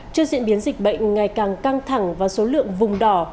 trước diễn biến dịch bệnh ngày càng căng thẳng và số lượng vùng đỏ